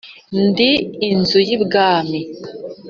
Ndi inzu y'i Bwami